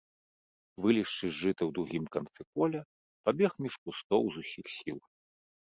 Вылезшы з жыта ў другім канцы поля, пабег між кустоў з усіх сіл.